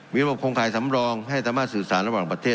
มีระบบโครงข่ายสำรองให้สามารถสื่อสารระหว่างประเทศ